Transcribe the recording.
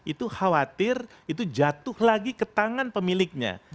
itu khawatir itu jatuh lagi ke tangan pemiliknya